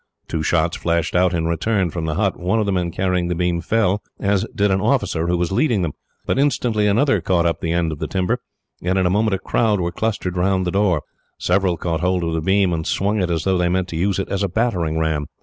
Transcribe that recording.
Two shots flashed out in return, from the hut. One of the men carrying the beam fell, as did an officer who was leading them; but instantly another caught up the end of the timber, and in a moment a crowd were clustered round the door. Several caught hold of the beam, and swung it as though they meant to use it as a battering ram.